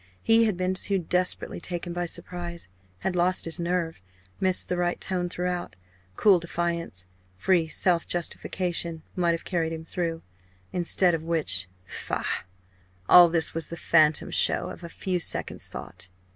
He had been too desperately taken by surprise had lost his nerve missed the right tone throughout. Cool defiance, free self justification, might have carried him through. Instead of which faugh! All this was the phantom show of a few seconds' thought.